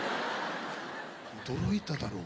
「驚いただろう？」。